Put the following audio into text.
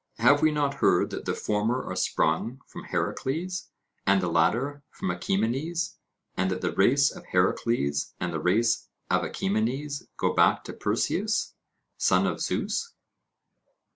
Have we not heard that the former are sprung from Heracles, and the latter from Achaemenes, and that the race of Heracles and the race of Achaemenes go back to Perseus, son of Zeus?